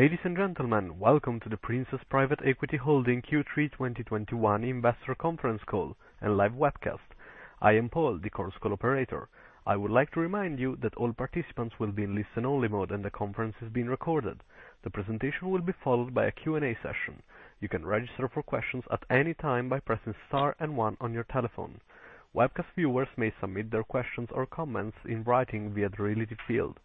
Ladies and gentlemen, welcome to the Princess Private Equity Holding Q3 2021 investor conference call and live webcast. I am Paul, the conference call operator. I would like to remind you that all participants will be in listen-only mode, and the conference is being recorded. The presentation will be followed by a Q&A session. You can register for questions at any time by pressing star and one on your telephone. Webcast viewers may submit their questions or comments in writing via the related field.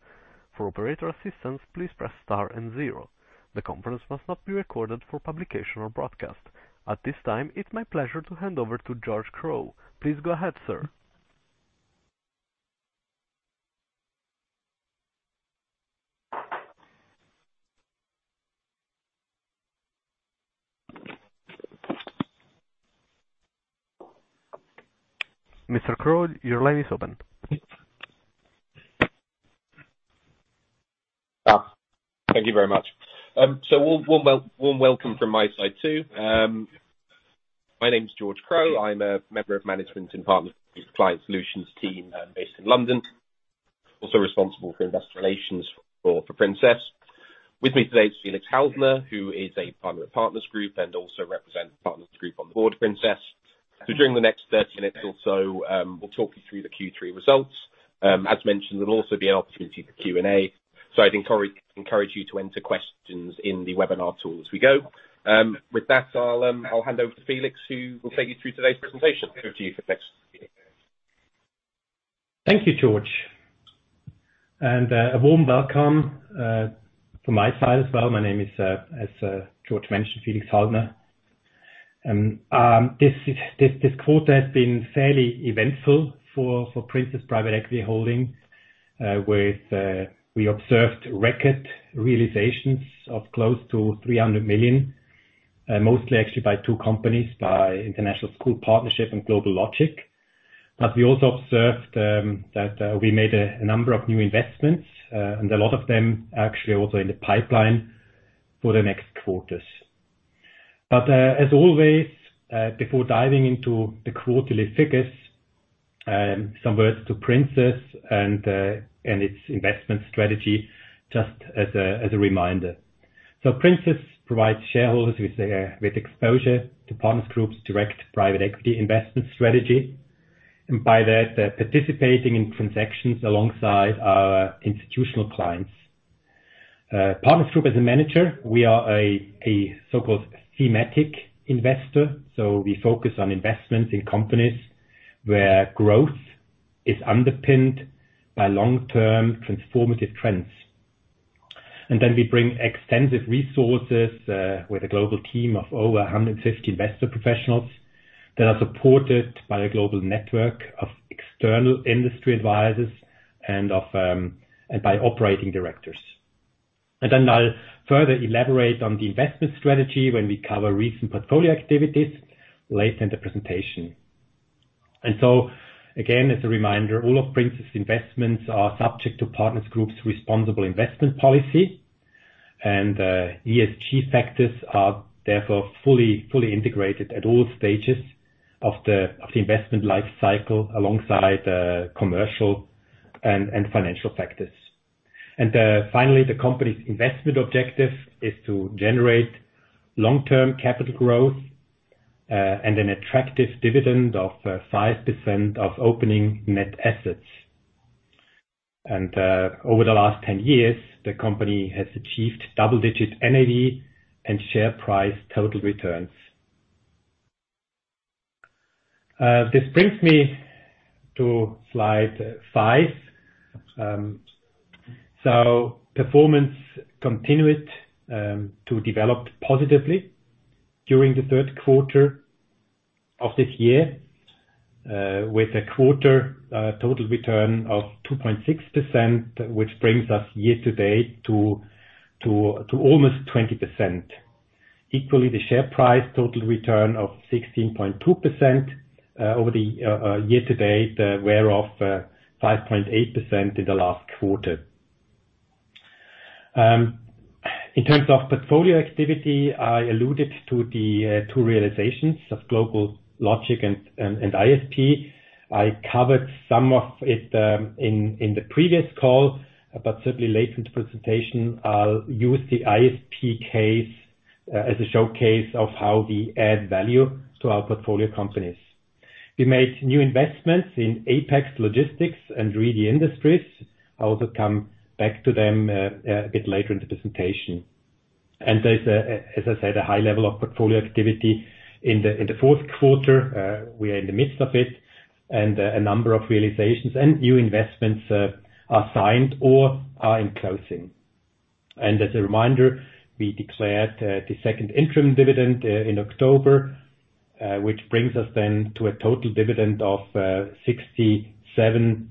For operator assistance, please press star and zero. The conference must not be recorded for publication or broadcast. At this time, it's my pleasure to hand over to George Crowe. Please go ahead, sir. Mr. Crowe, your line is open. Thank you very much. Warm welcome from my side, too. My name is George Crowe. I'm a member of management and partner with Client Solutions team based in London, also responsible for investor relations for Princess. With me today is Felix Haldner, who is a partner at Partners Group and also represents Partners Group on the board of Princess. During the next 30 minutes or so, we'll talk you through the Q3 results. As mentioned, there'll be an opportunity for Q&A. I'd encourage you to enter questions in the webinar tool as we go. With that, I'll hand over to Felix, who will take you through today's presentation. Over to you, Felix. Thank you, George. A warm welcome from my side as well. My name is, as George mentioned, Felix Haldner. This quarter has been fairly eventful for Princess Private Equity Holding with we observed record realizations of close to 300 million, mostly actually by two companies, by International Schools Partnership and GlobalLogic. We also observed that we made a number of new investments and a lot of them actually also in the pipeline for the next quarters. As always, before diving into the quarterly figures, some words to Princess and its investment strategy, just as a reminder. Princess provides shareholders with exposure to Partners Group's direct private equity investment strategy, and by that, they're participating in transactions alongside our institutional clients. Partners Group as a manager, we are a so-called thematic investor, so we focus on investments in companies where growth is underpinned by long-term transformative trends. We bring extensive resources with a global team of over 150 investor professionals that are supported by a global network of external industry advisors and by operating directors. I'll further elaborate on the investment strategy when we cover recent portfolio activities later in the presentation. Again, as a reminder, all of Princess investments are subject to Partners Group's responsible investment policy. ESG factors are therefore fully integrated at all stages of the investment life cycle alongside commercial and financial factors. Finally, the company's investment objective is to generate long-term capital growth and an attractive dividend of 5% of opening net assets. Over the last 10 years, the company has achieved double-digit NAV and share price total returns. This brings me to slide five. So performance continued to develop positively during the third quarter of this year with a quarter total return of 2.6%, which brings us year-to-date to almost 20%. Equally, the share price total return of 16.2% over the year-to-date, thereof 5.8% in the last quarter. In terms of portfolio activity, I alluded to the two realizations of GlobalLogic and ISP. I covered some of it in the previous call, but certainly later in the presentation, I'll use the ISP case as a showcase of how we add value to our portfolio companies. We made new investments in Apex Logistics and Reedy Industries. I will come back to them a bit later in the presentation. There's a, as I said, a high level of portfolio activity in the fourth quarter, we are in the midst of it, and a number of realizations and new investments are signed or are in closing. As a reminder, we declared the second interim dividend in October, which brings us then to a total dividend of 0.67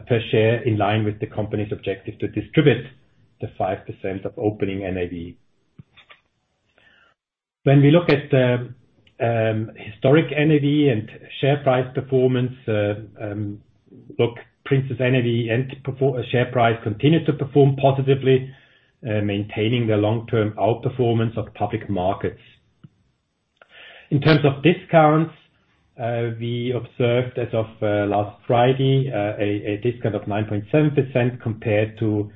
per share, in line with the company's objective to distribute 5% of opening NAV. When we look at the historic NAV and share price performance, Princess NAV and share price continued to perform positively, maintaining their long-term outperformance of public markets. In terms of discounts, we observed as of last Friday a discount of 9.7% compared to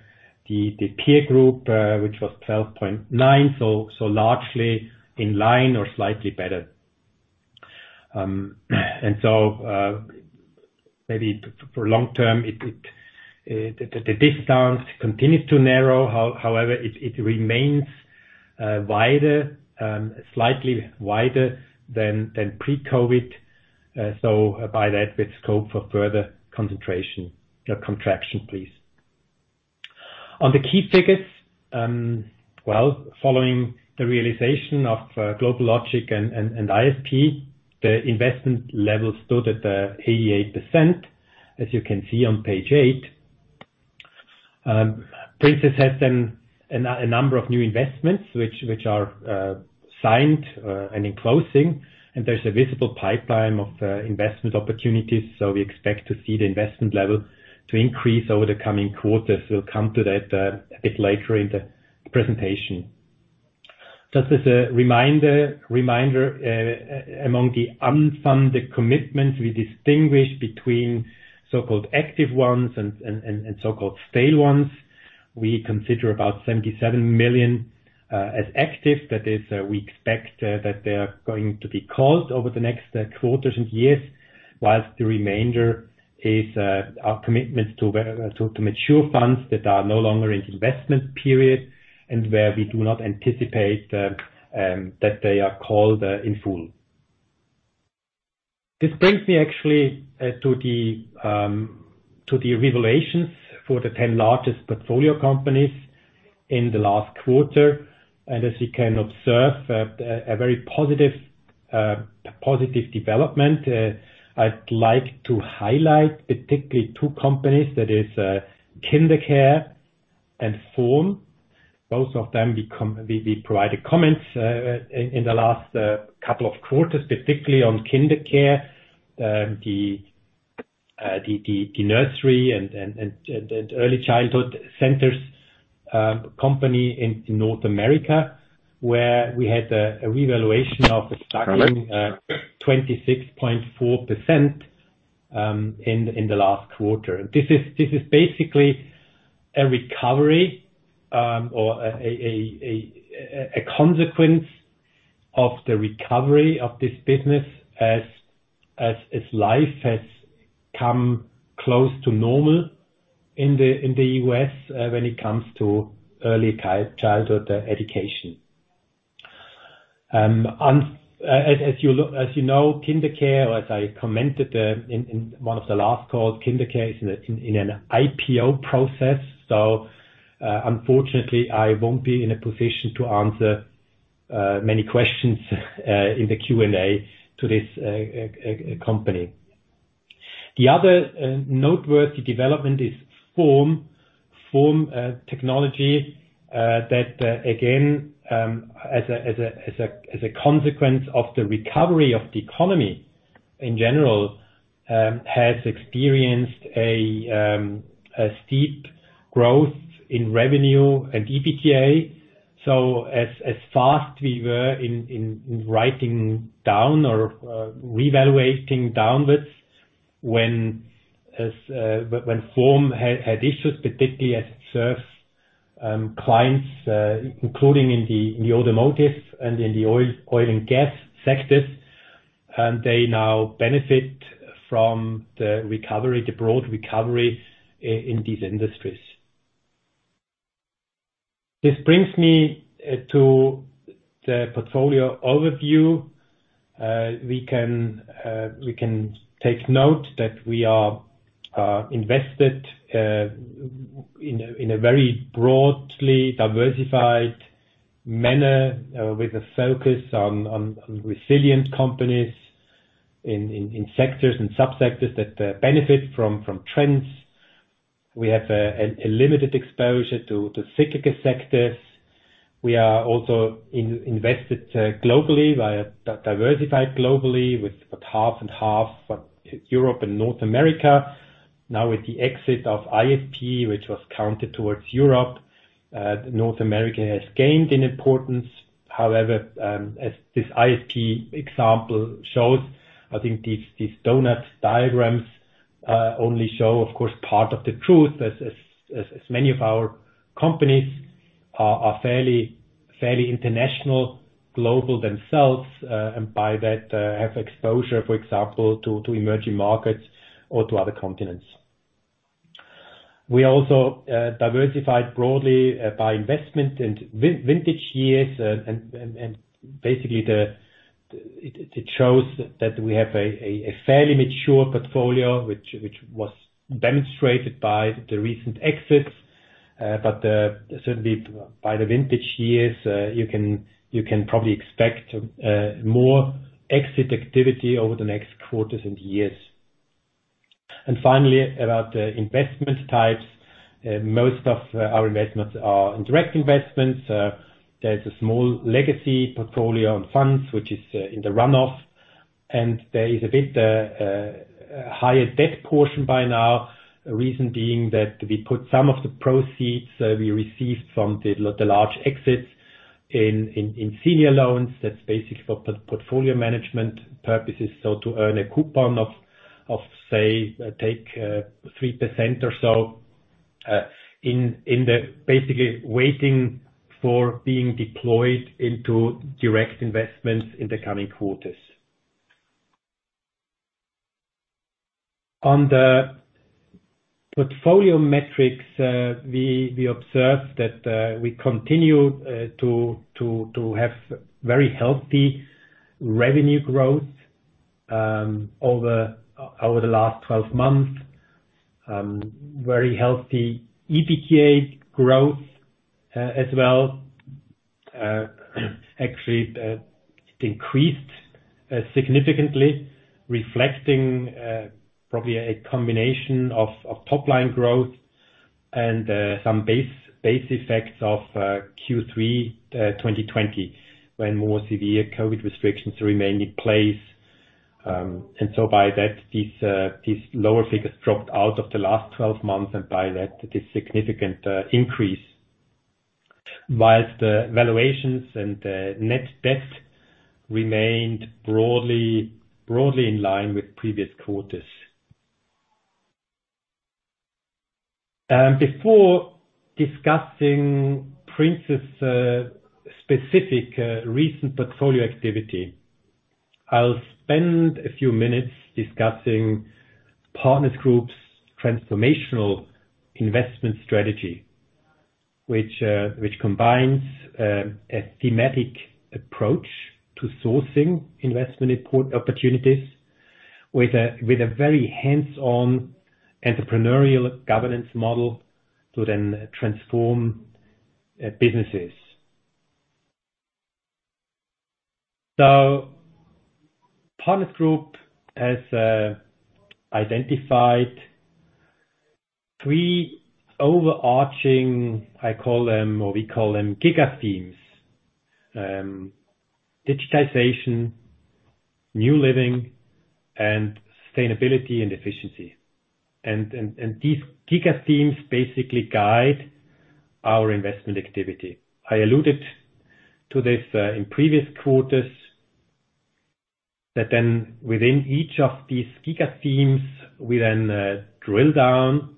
the peer group, which was 12.9%, so largely in line or slightly better. Maybe for the long term, the discount continues to narrow. However, it remains slightly wider than pre-COVID. By that, a bit of scope for further concentration, contraction, please. On the key figures, well, following the realization of GlobalLogic and ISP, the investment level stood at 88%, as you can see on page eight. Princess has then a number of new investments which are signed and in closing, and there's a visible pipeline of investment opportunities. We expect to see the investment level increase over the coming quarters. We'll come to that a bit later in the presentation. Just as a reminder, among the unfunded commitments, we distinguish between so-called active ones and so-called stale ones. We consider about 77 million as active. That is, we expect that they are going to be called over the next quarters and years, while the remainder is our commitments to mature funds that are no longer in investment period and where we do not anticipate that they are called in full. This brings me actually to the realizations for the ten largest portfolio companies in the last quarter. As you can observe, a very positive development. I'd like to highlight particularly two companies that is KinderCare and Form. Both of them we provided comments in the last couple of quarters, particularly on KinderCare, the nursery and early childhood centers company in North America, where we had a revaluation of startling 26.4% in the last quarter. This is basically a recovery or a consequence of the recovery of this business as life has come close to normal in the U.S. when it comes to early childhood education. As you know, KinderCare, as I commented in one of the last calls, KinderCare is in an IPO process. Unfortunately, I won't be in a position to answer many questions in the Q&A to this company. The other noteworthy development is Form. Form Technologies that again, as a consequence of the recovery of the economy in general, has experienced a steep growth in revenue and EBITDA. As fast as we were in writing down or reevaluating downwards when Form had issues, particularly as it serves clients including in the automotive and in the oil and gas sectors, and they now benefit from the recovery, the broad recovery in these industries. This brings me to the portfolio overview. We can take note that we are invested in a very broadly diversified manner, with a focus on resilient companies in sectors and subsectors that benefit from trends. We have a limited exposure to cyclical sectors. We are also invested globally via diversified globally with about half and half, Europe and North America. Now with the exit of ISP, which was counted towards Europe, North America has gained in importance. However, as this ISP example shows, I think these donuts diagrams only show of course part of the truth as many of our companies are fairly international, global themselves, and by that, have exposure, for example, to emerging markets or to other continents. We also diversified broadly by investment and vintage years and basically it shows that we have a fairly mature portfolio, which was demonstrated by the recent exits. Certainly by the vintage years, you can probably expect more exit activity over the next quarters and years. Finally, about the investment types, most of our investments are in direct investments. There's a small legacy portfolio and funds, which is in the run-off. There is a bit higher debt portion by now. Reason being that we put some of the proceeds we received from the large exits in senior loans. That's basically for portfolio management purposes. To earn a coupon of, say, 3% or so in the interim, basically waiting for being deployed into direct investments in the coming quarters. On the portfolio metrics, we observed that we continue to have very healthy revenue growth over the last 12 months. Very healthy EBITDA growth as well. Actually it increased significantly reflecting probably a combination of top line growth and some base effects of Q3 2020, when more severe COVID restrictions remained in place. By that, these lower figures dropped out of the last 12 months and by that, this significant increase. Whilst the valuations and net debt remained broadly in line with previous quarters. Before discussing Princess's specific recent portfolio activity, I'll spend a few minutes discussing Partners Group's transformational investment strategy, which combines a thematic approach to sourcing investment opportunities with a very hands-on entrepreneurial governance model to then transform businesses. Partners Group has identified three overarching, I call them, or we call them giga themes: digitization, new living, and sustainability and efficiency. These giga themes basically guide our investment activity. I alluded to this in previous quarters, that then within each of these giga themes, we then drill down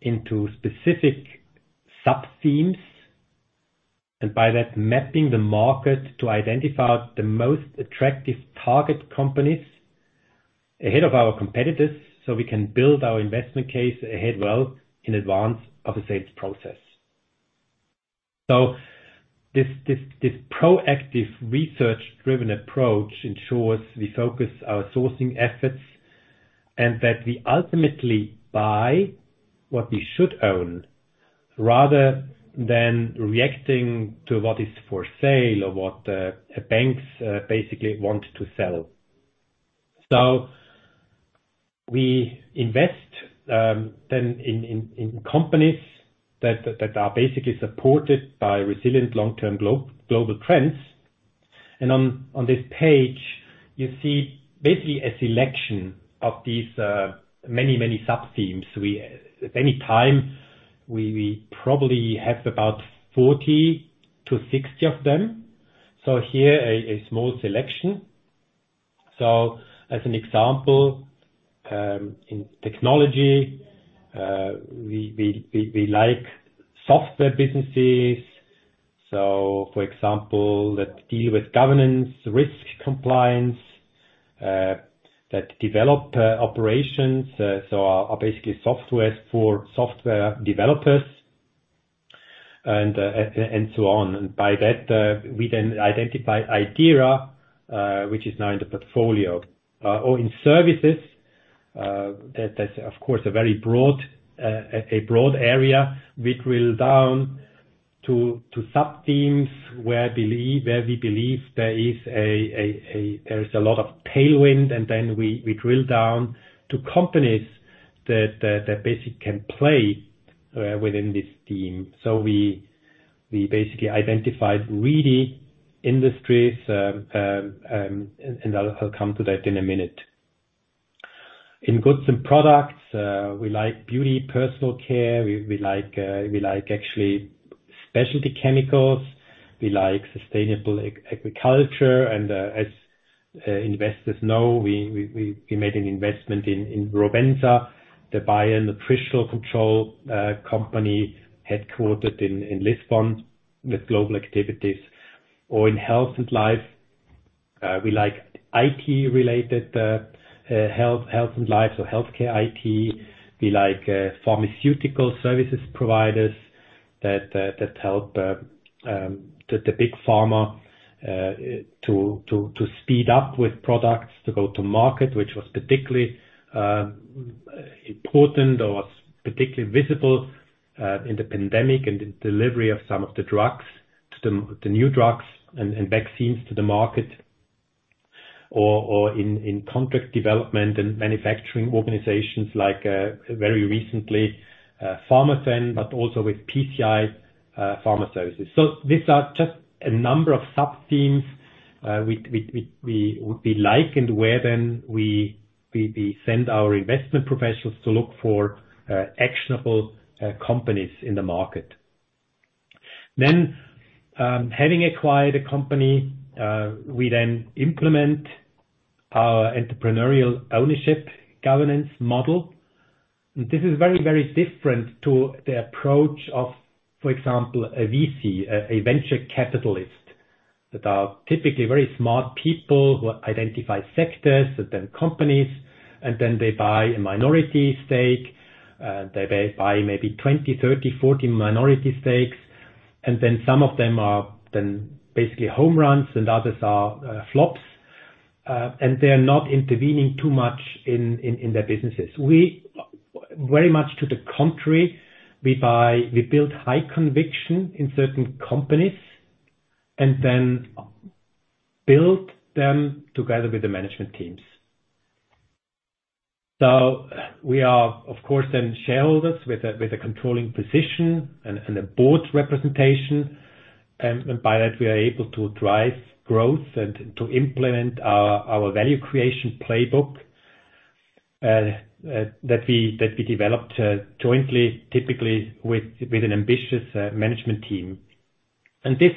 into specific sub-themes, and by that, mapping the market to identify the most attractive target companies ahead of our competitors, so we can build our investment case ahead well in advance of the sales process. This proactive research-driven approach ensures we focus our sourcing efforts and that we ultimately buy what we should own, rather than reacting to what is for sale or what banks basically want to sell. We invest then in companies that are basically supported by resilient long-term global trends. On this page, you see basically a selection of these many sub-themes. At any time, we probably have about 40-60 of them. Here a small selection. As an example, in technology, we like software businesses. For example, that deal with governance, risk compliance, that develop operations so are basically software for software developers and so on. By that, we then identify Idera, which is now in the portfolio. In services, that’s of course a very broad area. We drill down to sub-themes where we believe there is a lot of tailwind, and then we drill down to companies that basically can play within this theme. We basically identified Reedy Industries, and I’ll come to that in a minute. In goods and products, we like beauty, personal care. We like actually specialty chemicals. We like sustainable agriculture. As investors know, we made an investment in Rovensa, the biocontrol company headquartered in Lisbon with global activities. In health and life, we like IT-related health and life, so healthcare IT. We like pharmaceutical services providers that help the big pharma to speed up with products to go to market, which was particularly important or was particularly visible in the pandemic and the delivery of some of the new drugs and vaccines to the market. Or in contract development and manufacturing organizations like very recently Pharmathen, but also with PCI Pharma Services. So these are just a number of sub-themes. We would like and then we send our investment professionals to look for actionable companies in the market. Then having acquired a company we then implement our entrepreneurial ownership governance model. This is very different to the approach of, for example, a VC, a venture capitalist, that are typically very smart people who identify sectors and then companies, and then they buy a minority stake. They may buy maybe 20, 30, 40 minority stakes. Some of them are basically home runs and others are flops. They are not intervening too much in their businesses. Very much to the contrary, we buy, we build high conviction in certain companies and then build them together with the management teams. We are, of course, then shareholders with a controlling position and a board representation. By that, we are able to drive growth and to implement our value creation playbook that we developed jointly, typically with an ambitious management team. This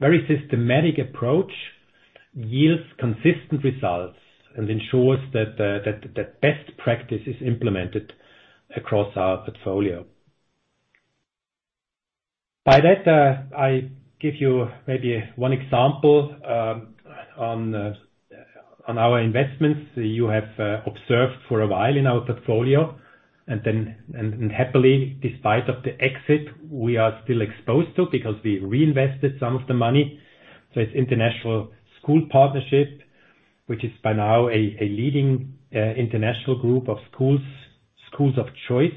very systematic approach yields consistent results and ensures that best practice is implemented across our portfolio. By that, I give you maybe one example on our investments you have observed for a while in our portfolio. Happily, despite of the exit, we are still exposed to because we reinvested some of the money. It's International Schools Partnership, which is by now a leading international group of schools of choice,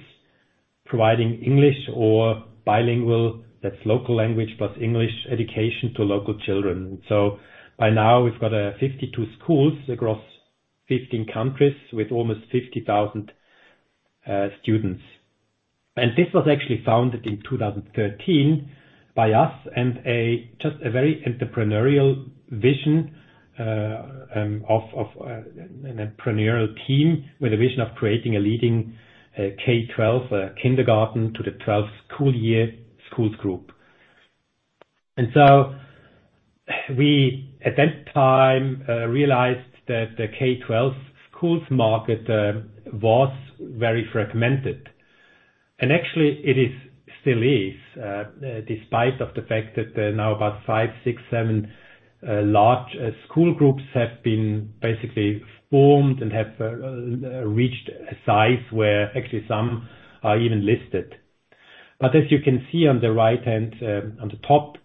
providing English or bilingual, that's local language, plus English education to local children. By now, we've got 52 schools across 15 countries with almost 50,000 students. This was actually founded in 2013 by us and just a very entrepreneurial vision of an entrepreneurial team with a vision of creating a leading K-12 kindergarten to the twelfth school year schools group. We at that time realized that the K-12 schools market was very fragmented. Actually it is still, despite the fact that there are now about five, six, seven large school groups that have been basically formed and have reached a size where actually some are even listed. As you can see on the right-hand, on the top,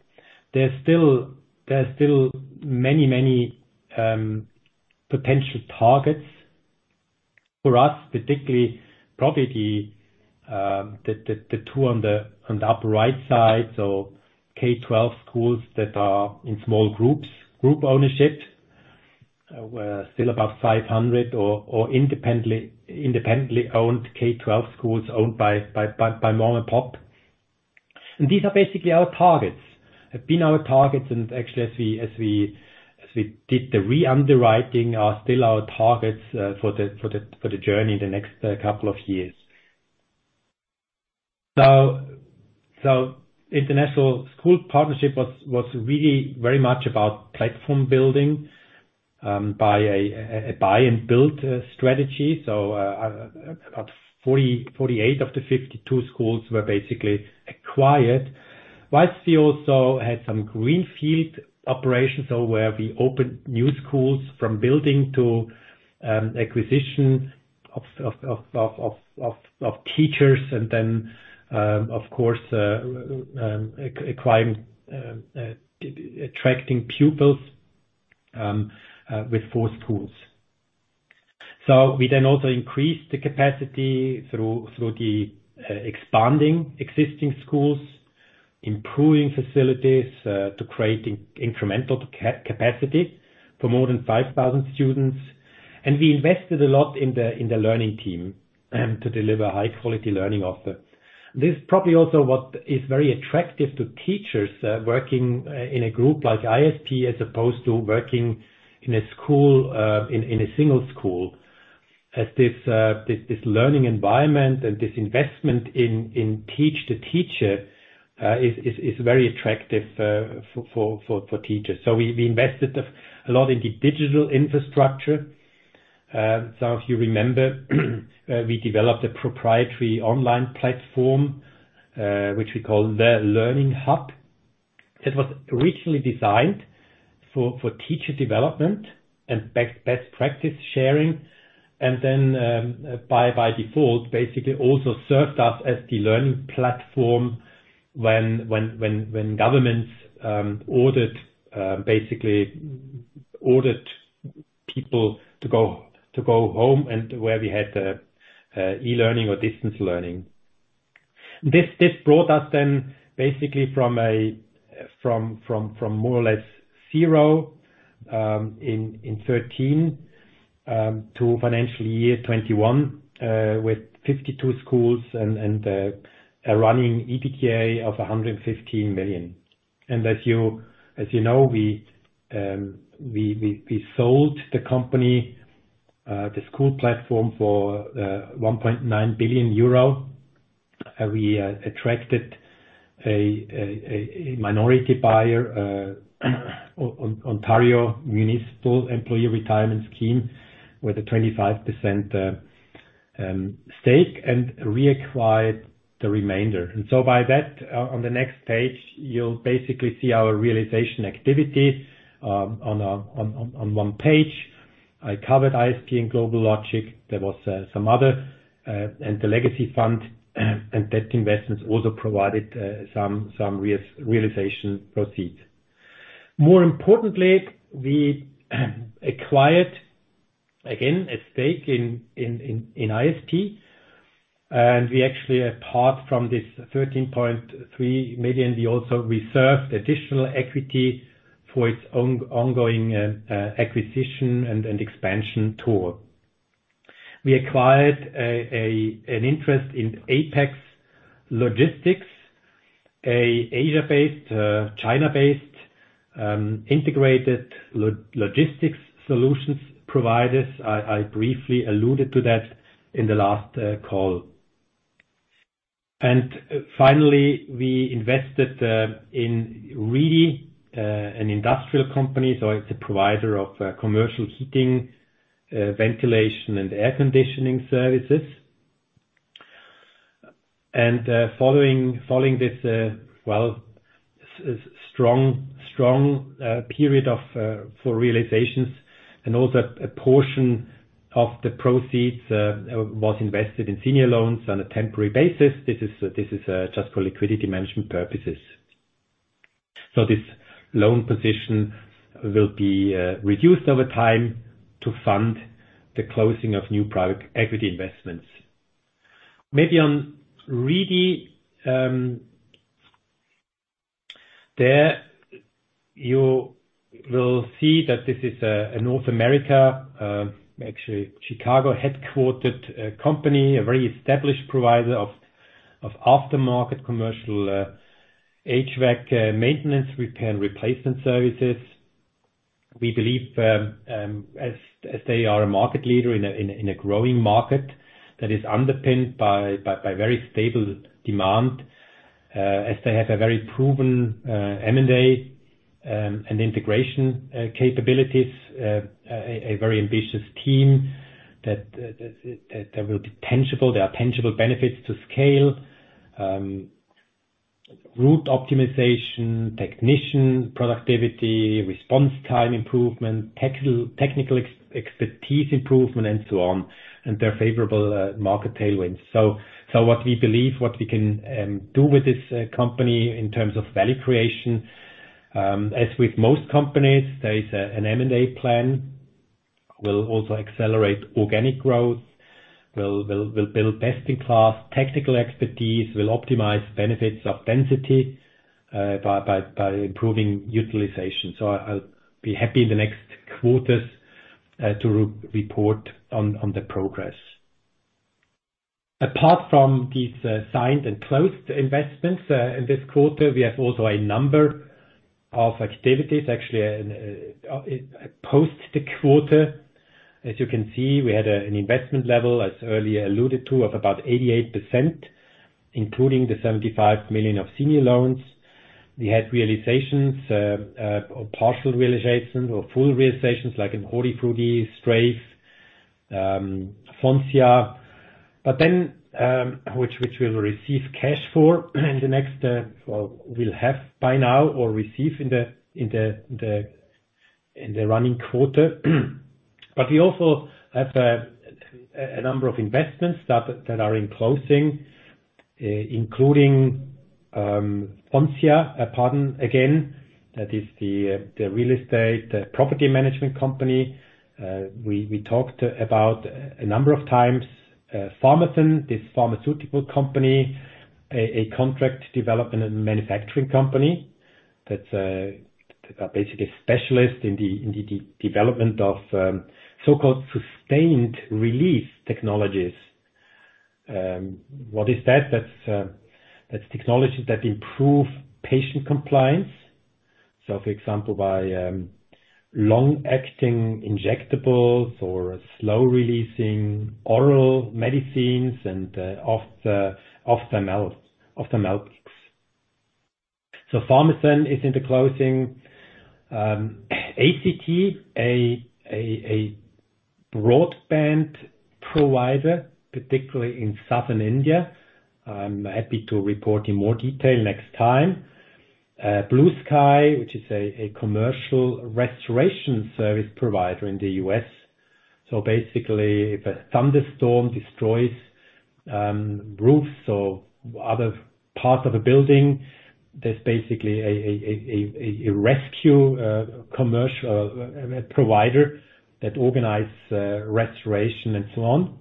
there's still many potential targets for us, particularly probably the two on the upper right side. K-12 schools that are in small groups, group ownership, were still about 500 or independently owned K-12 schools owned by mom and pop. These are basically our targets. Have been our targets, and actually as we did the re-underwriting, are still our targets for the journey in the next couple of years. International Schools Partnership was really very much about platform building by a buy and build strategy. About 48 of the 52 schools were basically acquired. While we also had some greenfield operations, so where we opened new schools from building to acquisition of teachers, and then of course attracting pupils with four schools. We then also increased the capacity through the expanding existing schools, improving facilities to create incremental capacity for more than 5,000 students. We invested a lot in the learning team to deliver high-quality learning offer. This is probably also what is very attractive to teachers working in a group like ISP as opposed to working in a school in a single school. As this learning environment and this investment in teach the teacher is very attractive for teachers. We invested a lot in the digital infrastructure. Some of you remember we developed a proprietary online platform, which we call The Learning Hub. It was originally designed for teacher development and best practice sharing. By default, it basically also served us as the learning platform when governments basically ordered people to go home and where we had e-learning or distance learning. This brought us then basically from more or less zero in 2013 to financial year 2021 with 52 schools and a running EBITDA of 115 million. As you know, we sold the company, the school platform for 1.9 billion euro. We attracted a minority buyer, Ontario Municipal Employees Retirement System, with a 25% stake and reacquired the remainder. By that, on the next page, you'll basically see our realization activity on one page. I covered ISP and GlobalLogic. There was some other and the legacy fund and debt investments also provided some realization proceeds. More importantly, we acquired, again, a stake in ISP, and we actually, apart from this 13.3 million, we also reserved additional equity for its ongoing acquisition and expansion tour. We acquired an interest in Apex Logistics, Asia-based, China-based, integrated logistics solutions providers. I briefly alluded to that in the last call. Finally, we invested in Reedy, an industrial company, so it's a provider of commercial heating, ventilation, and air conditioning services. Following this strong period for realizations and also a portion of the proceeds was invested in senior loans on a temporary basis. This is just for liquidity management purposes. This loan position will be reduced over time to fund the closing of new private equity investments. Maybe on Reedy, there you will see that this is a North American, actually Chicago-headquartered company, a very established provider of aftermarket commercial HVAC maintenance, repair and replacement services. We believe as they are a market leader in a growing market that is underpinned by very stable demand, as they have a very proven M&A and integration capabilities, a very ambitious team that there are tangible benefits to scale, route optimization, technician productivity, response time improvement, technical expertise improvement and so on, and their favorable market tailwinds. What we believe we can do with this company in terms of value creation, as with most companies, there is an M&A plan. We'll also accelerate organic growth. We'll build best in class technical expertise. We'll optimize benefits of density by improving utilization. I'll be happy in the next quarters to report on the progress. Apart from these signed and closed investments in this quarter, we have also a number of activities, actually, post the quarter. As you can see, we had an investment level, as earlier alluded to, of about 88%, including the 75 million of senior loans. We had realizations, partial realizations or full realizations like in Hortifruti, Straive, Foncia, which we'll receive cash for in the next, well, we'll have by now or receive in the running quarter. We also have a number of investments that are in closing, including Foncia, pardon again, that is the real estate property management company. We talked about a number of times, Pharmathen, this pharmaceutical company, a contract development and manufacturing company that's basically a specialist in the development of so-called sustained release technologies. What is that? That's technologies that improve patient compliance. For example, by long-acting injectables or slow-releasing oral medicines and other mouthpieces. Pharmathen is in the closing. ACT, a broadband provider, particularly in Southern India. I'm happy to report in more detail next time. BluSky, which is a commercial restoration services provider in the U.S. Basically, if a thunderstorm destroys roofs or other parts of a building, there's basically a rescue commercial provider that organize restoration and so on.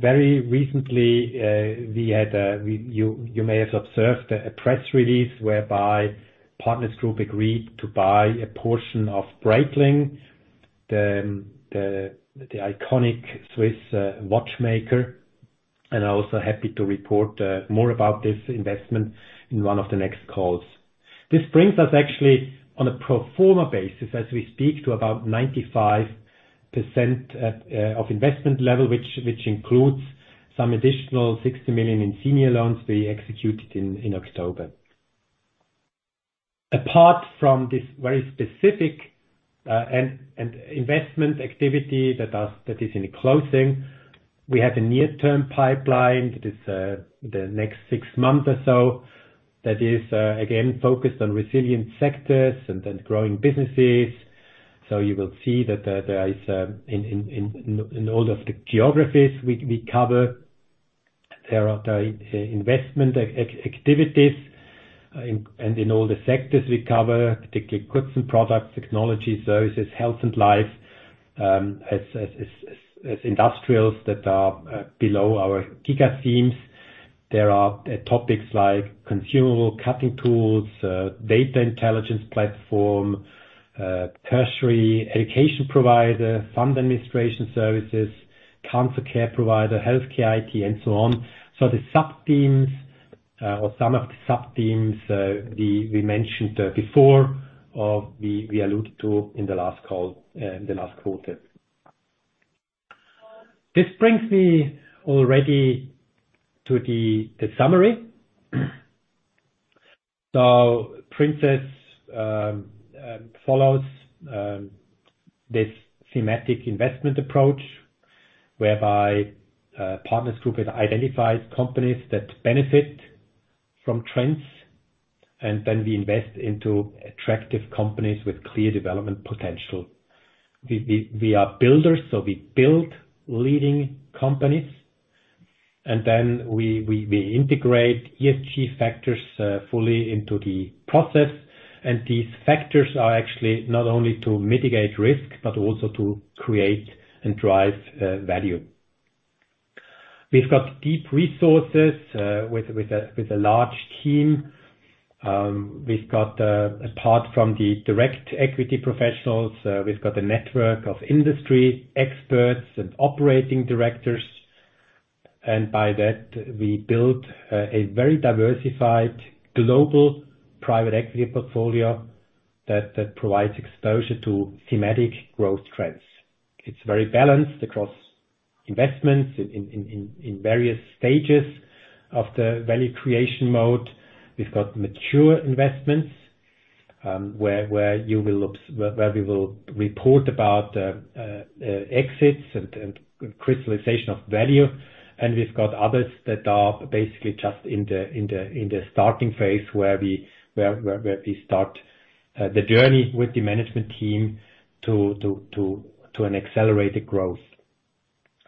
Very recently, we had you may have observed a press release whereby Partners Group agreed to buy a portion of Breitling, the iconic Swiss watchmaker, and I'm also happy to report more about this investment in one of the next calls. This brings us actually on a pro forma basis as we speak, to about 95% of investment level which includes some additional 60 million in senior loans we executed in October. Apart from this very specific and investment activity that does. That is, in closing, we have a near-term pipeline that is the next six months or so that is again focused on resilient sectors and growing businesses. You will see that there is in all of the geographies we cover. There are investment activities and in all the sectors we cover, particularly goods and products, technology services, health and life, as industrials that are below our giga themes. There are topics like consumable cutting tools, data intelligence platform, tertiary education provider, fund administration services, cancer care provider, healthcare IT, and so on. The sub-themes or some of the sub-themes we mentioned before or we alluded to in the last call, the last quarter. This brings me already to the summary. Princess follows this thematic investment approach whereby Partners Group has identified companies that benefit from trends, and then we invest into attractive companies with clear development potential. We are builders, so we build leading companies, and then we integrate ESG factors fully into the process, and these factors are actually not only to mitigate risk, but also to create and drive value. We've got deep resources with a large team. We've got apart from the direct equity professionals, we've got a network of industry experts and operating directors, and by that, we build a very diversified global private equity portfolio that provides exposure to thematic growth trends. It's very balanced across investments in various stages of the value creation mode. We've got mature investments where we will report about exits and crystallization of value, and we've got others that are basically just in the starting phase where we start the journey with the management team to an accelerated growth.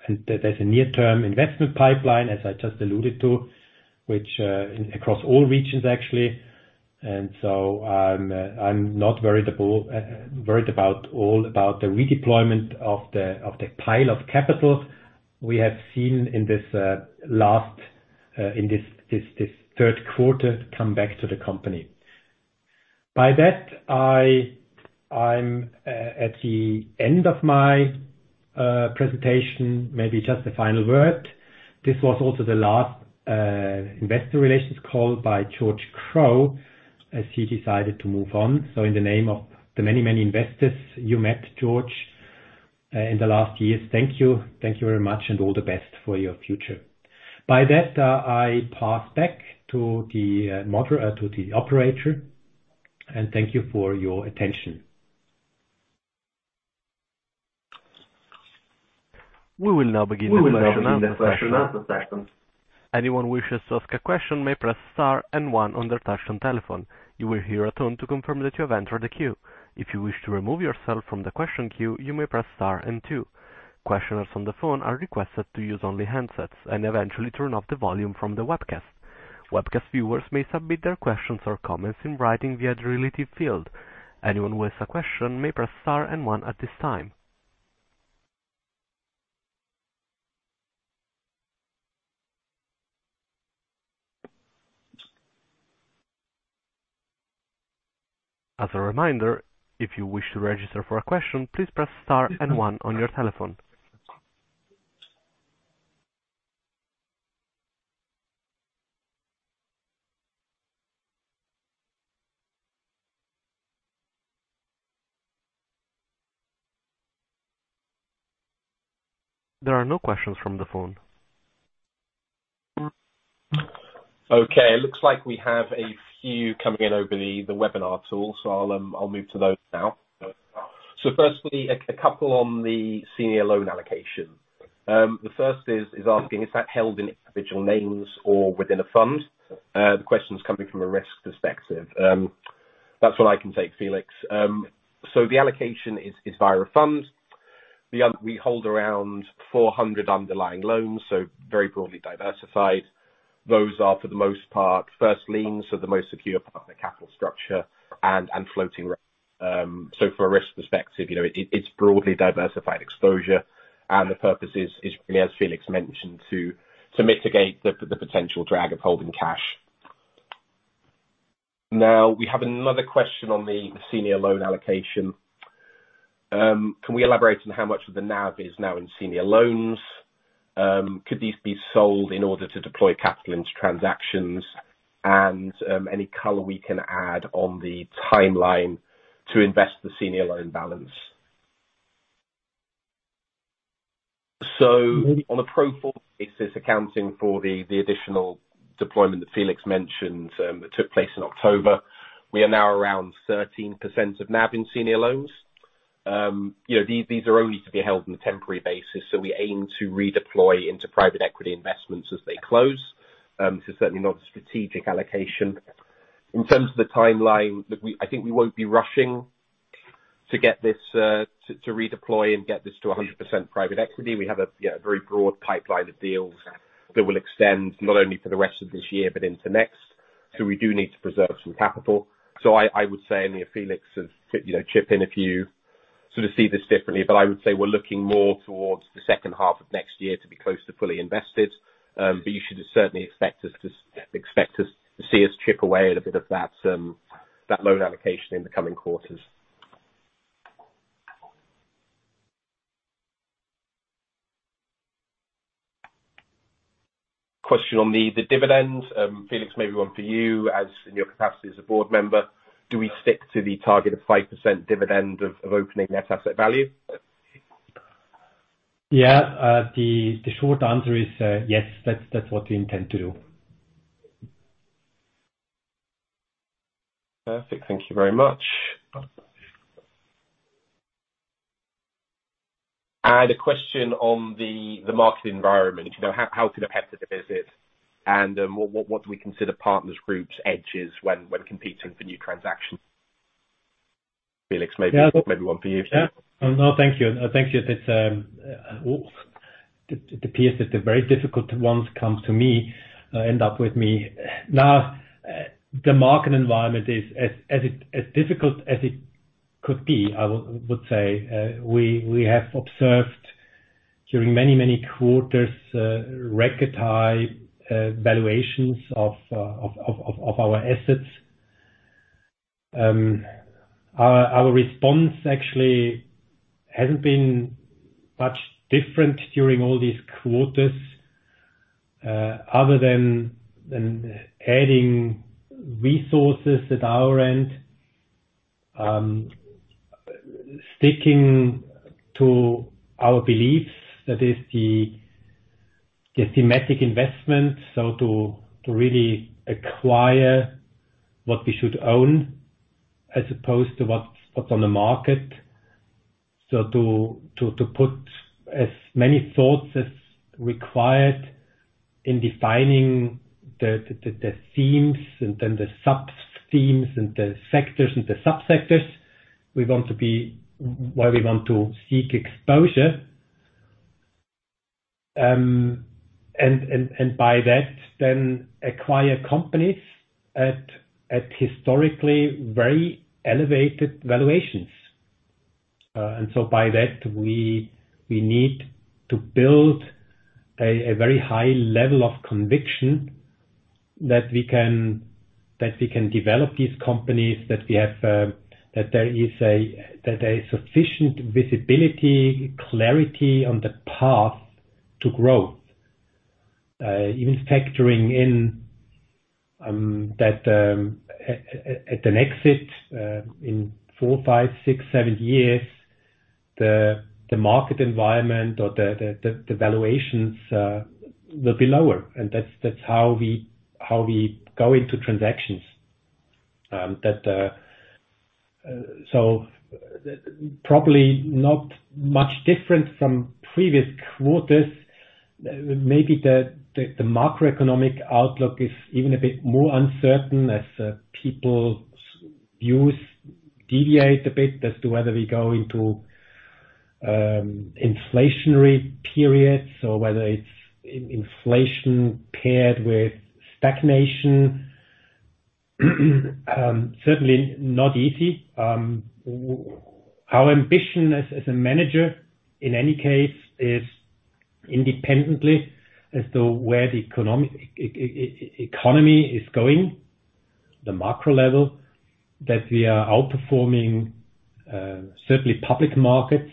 There's a near-term investment pipeline, as I just alluded to, which across all regions actually, and I'm not worried at all about the redeployment of the pile of capital we have seen in this third quarter come back to the company. By that, I'm at the end of my presentation. Maybe just a final word. This was also the last investor relations call by George Crowe as he decided to move on. In the name of the many, many investors you met George, in the last years, thank you. Thank you very much, and all the best for your future. By that, I pass back to the operator, and thank you for your attention. We will now begin the question and answer session. Anyone wishes to ask a question may press star and one on their touch-tone telephone. You will hear a tone to confirm that you have entered a queue. If you wish to remove yourself from the question queue, you may press star and two. Questioners on the phone are requested to use only handsets and eventually turn off the volume from the webcast. Webcast viewers may submit their questions or comments in writing via the relevant field. Anyone who has a question may press star and one at this time. As a reminder, if you wish to register for a question, please press star and one on your telephone. There are no questions from the phone. Okay, it looks like we have a few coming in over the webinar tool, so I'll move to those now. Firstly, a couple on the senior loan allocation. The first is asking is that held in individual names or within a fund? The question's coming from a risk perspective. That's one I can take, Felix. The allocation is via a fund. We hold around 400 underlying loans, so very broadly diversified. Those are for the most part first liens, so the most secure part of the capital structure and floating rate. From a risk perspective, you know, it's broadly diversified exposure, and the purpose is really, as Felix mentioned, to mitigate the potential drag of holding cash. Now, we have another question on the senior loan allocation. Can we elaborate on how much of the NAV is now in senior loans? Could these be sold in order to deploy capital into transactions? Any color we can add on the timeline to invest the senior loan balance. On a pro forma basis, accounting for the additional deployment that Felix mentioned that took place in October, we are now around 13% of NAV in senior loans. You know, these are only to be held on a temporary basis, so we aim to redeploy into private equity investments as they close. This is certainly not a strategic allocation. In terms of the timeline, I think we won't be rushing to get this to redeploy and get this to 100% private equity. We have a very broad pipeline of deals that will extend not only for the rest of this year, but into next. We do need to preserve some capital. I would say, I mean if Felix has, you know, chip in if you sort of see this differently. I would say we're looking more towards the second half of next year to be close to fully invested. You should certainly expect to see us chip away at a bit of that loan allocation in the coming quarters. Question on the dividend. Felix, maybe one for you as in your capacity as a board member. Do we stick to the target of 5% dividend of opening net asset value? Yeah. The short answer is, yes, that's what we intend to do. Perfect. Thank you very much. A question on the market environment. You know, how competitive is it? What do we consider Partners Group's edges when competing for new transactions? Felix, maybe one for you. Yeah. No, thank you. Thank you. It appears that the very difficult ones come to me, end up with me. Now, the market environment is as difficult as it could be, I would say. We have observed during many quarters record high valuations of our assets. Our response actually hasn't been much different during all these quarters, other than adding resources at our end. Sticking to our beliefs, that is the thematic investment. To put as many thoughts as required in defining the themes and then the sub-themes and the sectors and the sub-sectors we want to be where we want to seek exposure. By that then acquire companies at historically very elevated valuations. By that, we need to build a very high level of conviction that we can develop these companies, that we have that there is sufficient visibility, clarity on the path to growth. Even factoring in that at an exit in four, five, six, seven years, the market environment or the valuations will be lower. That's how we go into transactions. Probably not much different from previous quarters. Maybe the macroeconomic outlook is even a bit more uncertain as people's views deviate a bit as to whether we go into inflationary periods or whether it's inflation paired with stagnation. Certainly not easy. Our ambition as a manager in any case is independently as to where the economy is going, the macro level, that we are outperforming certainly public markets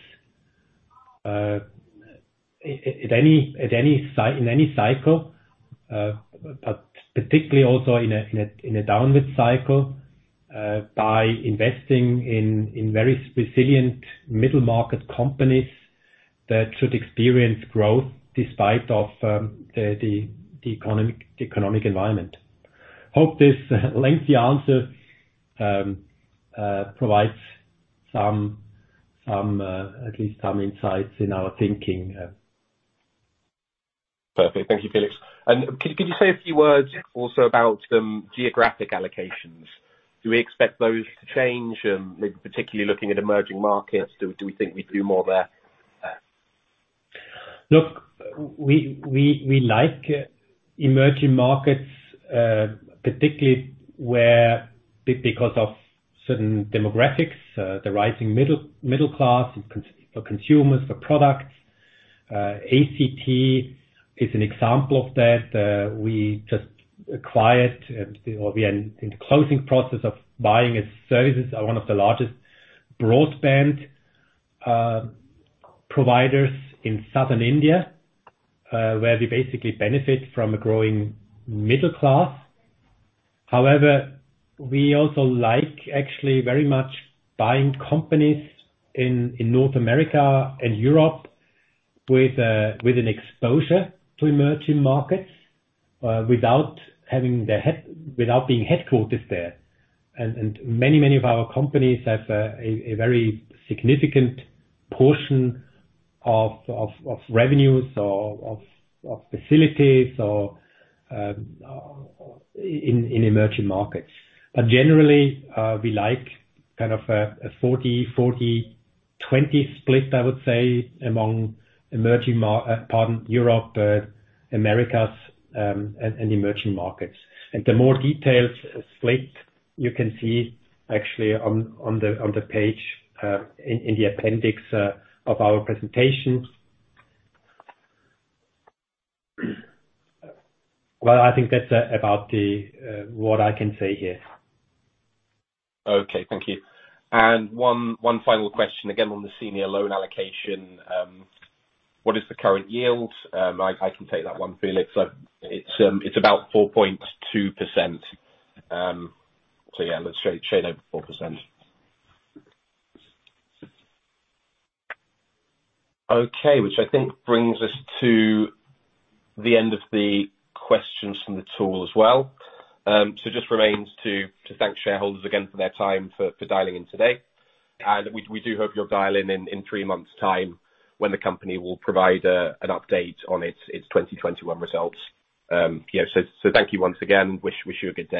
in any cycle, but particularly also in a downward cycle, by investing in very resilient middle market companies that should experience growth despite of the economic environment. Hope this lengthy answer provides at least some insights in our thinking. Perfect. Thank you, Felix. Could you say a few words also about geographic allocations? Do we expect those to change? Maybe particularly looking at emerging markets, do we think we'd do more there? Look, we like emerging markets, particularly because of certain demographics, the rising middle class for consumers, for products. ACT is an example of that. We just acquired, or we are in the closing process of buying. Its services are one of the largest broadband providers in Southern India, where we basically benefit from a growing middle class. However, we also like actually very much buying companies in North America and Europe with an exposure to emerging markets, without being headquartered there. Many of our companies have a very significant portion of revenues or of facilities or in emerging markets. Generally, we like kind of a 40/40/20 split, I would say, among Europe, Americas, and emerging markets. The more detailed split you can see actually on the page in the appendix of our presentation. Well, I think that's about what I can say here. Okay. Thank you. One final question, again, on the senior loan allocation. What is the current yield? I can take that one, Felix. It's about 4.2%. Yeah, let's say straight over 4%. Okay, which I think brings us to the end of the questions from the tool as well. It just remains to thank shareholders again for their time for dialing in today. We do hope you'll dial in in three months' time when the company will provide an update on its 2021 results. You know, thank you once again. Wish you a good day.